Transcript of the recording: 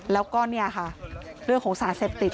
แล้วก็เรื่องของสารเสพติด